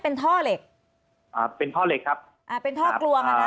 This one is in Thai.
เป็นท่อเหล็กอ่าเป็นท่อเหล็กครับอ่าเป็นท่อกลวมอ่ะนะ